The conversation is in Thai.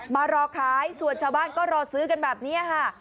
มารอขายส่วนชาวบ้านก็รอซื้อกันแบบนี้ค่ะ